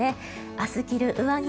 明日着る上着